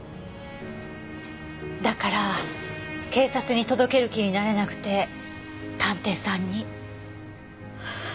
だから警察に届ける気になれなくて探偵さんに？